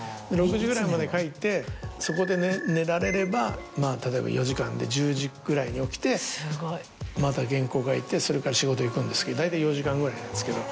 ６時ぐらいまで書いてそこで寝られればまぁ例えば４時間で１０時ぐらいに起きてまた原稿書いてそれから仕事行くんですけど大体４時間ぐらいなんですけど。